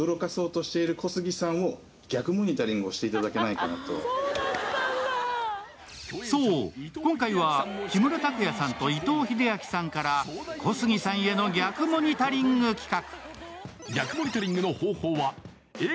しかし実はそう、今回は木村拓哉さんと伊藤英明さんから小杉さんへの逆モニタリング企画。